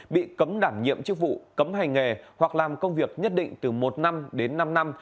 bị cấm đảm nhiệm chức vụ cấm hành nghề hoặc làm công việc nhất định từ một năm đến năm năm